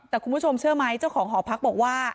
แต่คุณผู้ชมเชื่อไหมเจ้าของหอพักบอกว่า